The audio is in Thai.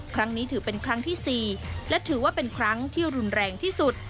ครั้งนี้ถือเป็นครั้งที่๔และถือว่าเป็นครั้งที่รุนแรงที่สุด